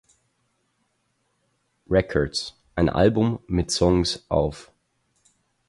Records ein Album mit Songs auf.